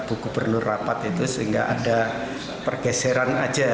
buku berlurah rapat itu sehingga ada pergeseran aja